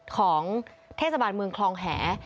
ของเทศบาลเมืองคลองแห